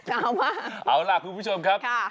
ยาวมากเอาล่ะคุณผู้ชมครับ